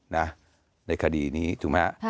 ในคดีนี้ถูกไหมฮะ